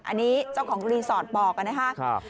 อันนี้เจ้าของรีสอร์ทบอกนะครับ